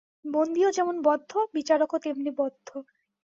বন্দীও যেমন বদ্ধ, বিচারকও তেমনি বদ্ধ।